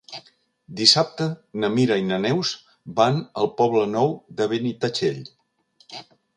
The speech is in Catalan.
Dissabte na Mira i na Neus van al Poble Nou de Benitatxell.